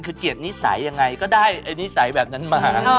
คือเกียรตินิสัยยังไงก็ได้นิสัยแบบนั้นมา